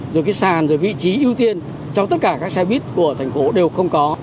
rồi cái sàn rồi vị trí ưu tiên cho tất cả các xe buýt của thành phố đều không có